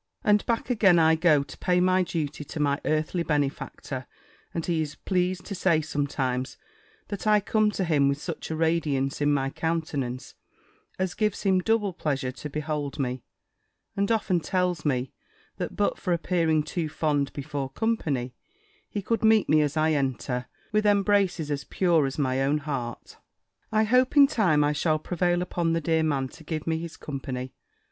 And back again I go to pay my duty to my earthly benefactor: and he is pleased to say sometimes, that I come to him with such a radiance in my countenance, as gives him double pleasure to behold me; and often tells me, that but for appearing too fond before company, he could meet me as I enter, with embraces as pure as my own heart. I hope in time, I shall prevail upon the dear man to give me his company.